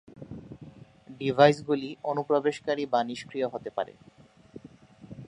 ডিভাইসগুলি অনুপ্রবেশকারী বা নিষ্ক্রিয় হতে পারে।